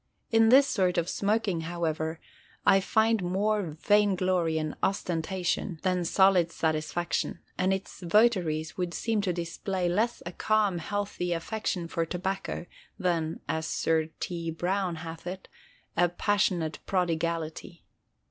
In this sort of smoking, however, I find more of vainglory and ostentation than solid satisfaction; and its votaries would seem to display less a calm, healthy affection for tobacco than (as Sir T. Browne hath it) a "passionate prodigality."